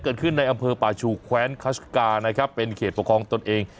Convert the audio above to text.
เกิดขึ้นในอำเภอป่าชูแคว้นคัชกาเป็นเขตปกครองตนเอง